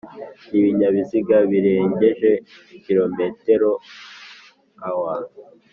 nibinyabiziga birengeje km/h